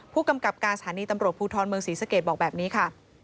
ผู้กำกับการสถานีตำรวจภูทรเมืองศรีสเกตบอกแบบนี้ค่ะ